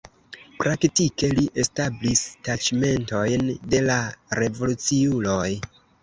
Praktike li establis taĉmentojn de la revoluciuloj.